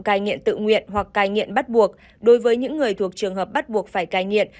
ca nghiện tự nguyện hoặc ca nghiện bắt buộc đối với những người thuộc trường hợp bắt buộc phải ca nghiện